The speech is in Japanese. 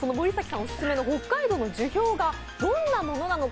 オススメの北海道の樹氷がどんなものなのか